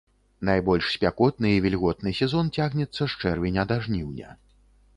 Найбольш спякотны і вільготны сезон цягнецца з чэрвеня да жніўня.